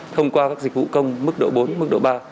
thông qua các dịch vụ công mức độ bốn mức độ ba